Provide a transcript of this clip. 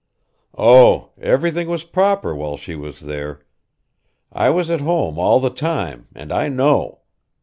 Oh! everything was proper while she was there. I was at home all the time and I know.